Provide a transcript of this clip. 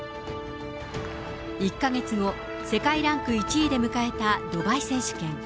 １か月後、世界ランク１位で迎えたドバイ選手権。